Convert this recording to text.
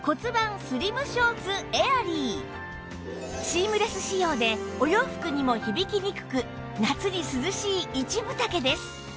シームレス仕様でお洋服にも響きにくく夏に涼しい一分丈です